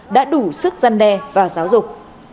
đã đủ sức giăn đe và giáo dục